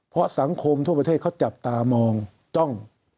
เพราะสังคมทั่วประเทศเขาจับตามองจ้อง